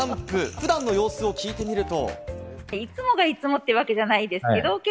普段の様子を聞いてみると。